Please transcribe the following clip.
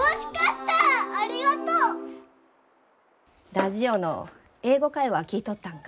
ラジオの「英語会話」聴いとったんか？